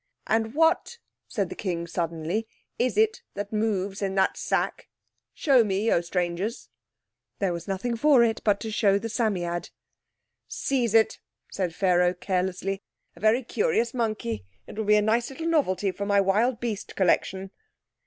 "And what," said the King suddenly, "is it that moves in that sack? Show me, oh strangers." There was nothing for it but to show the Psammead. "Seize it," said Pharaoh carelessly. "A very curious monkey. It will be a nice little novelty for my wild beast collection."